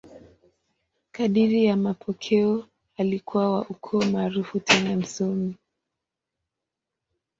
Kadiri ya mapokeo, alikuwa wa ukoo maarufu tena msomi.